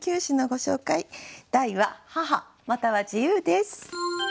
題は「母」または自由です。